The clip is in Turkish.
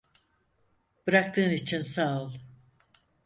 Bıraktığın için sağ ol.